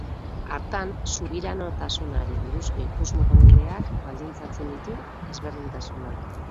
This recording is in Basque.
Hartan, subiranotasunari buruzko ikusmoldeak baldintzatzen ditu ezberdintasunak.